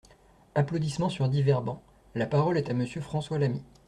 (Applaudissements sur divers bancs.) La parole est à Monsieur François Lamy.